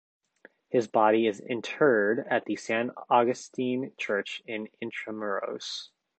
His body is interred at the San Agustin Church in Intramuros.